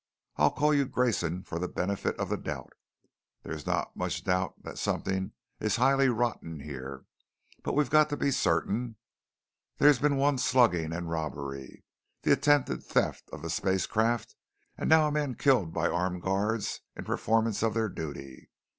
I'll call you Grayson for the benefit of the doubt. There is not much doubt that something is highly rotten here, but we've got to be certain. There's been one slugging and robbery, the attempted theft of spacecraft, and now a man killed by armed guards in performance of their duty.